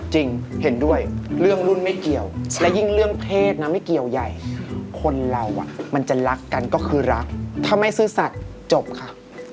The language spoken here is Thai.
จริงเห็นด้วยเรื่องรุ่นไม่เกี่ยวและยิ่งเรื่องเพศนะไม่เกี่ยวใหญ่คนเรามันจะรักกันก็คือรักถ้าไม่ซื่อสัตว์จบค่ะ